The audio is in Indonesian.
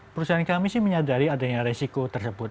perusahaan kami sih menyadari adanya resiko tersebut